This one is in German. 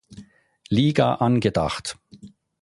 Liga angedacht.